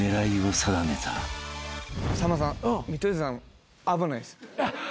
さんまさん見取り図さん危ないです。